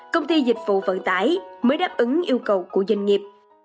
công ty dịch vụ vận tải mới đáp ứng yêu cầu của doanh nghiệp